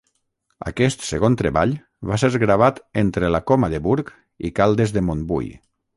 Aquest segon treball va ser gravat entre la Coma de Burg i Caldes de Montbui.